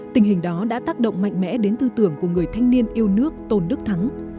tình hình đó đã tác động mạnh mẽ đến tư tưởng của người thanh niên yêu nước tôn đức thắng